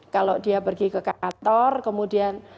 kalau dia pergi ke kantor kemudian